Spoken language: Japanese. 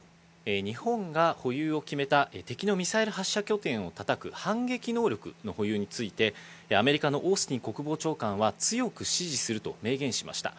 はい、日本が保有を決めた敵のミサイル発射拠点をたたく反撃能力の保有について、アメリカのオースティン国防長官は強く支持すると明言しました。